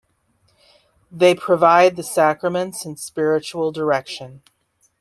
They provide the sacraments and spiritual direction.